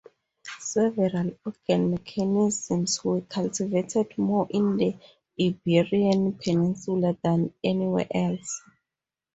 Several organ mechanisms were cultivated more in the Iberian peninsula than anywhere else.